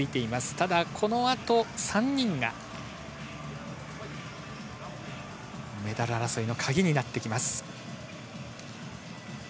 ただこのあと３人がメダル争いのカギになってきます。